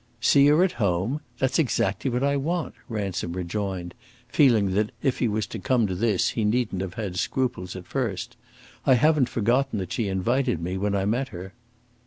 "See her at home? That's exactly what I want!" Ransom rejoined, feeling that if he was to come to this he needn't have had scruples at first. "I haven't forgotten that she invited me, when I met her."